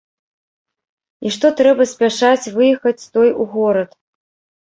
І што трэба спяшаць выехаць той у горад.